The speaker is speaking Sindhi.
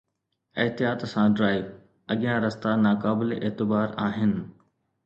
احتياط سان ڊرائيو! اڳيان رستا ناقابل اعتبار آهن.